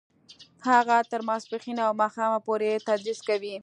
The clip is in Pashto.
هغه تر ماسپښینه او ماښامه پورې تدریس کوي